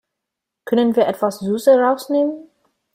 Können wir etwas Süße rausnehmen?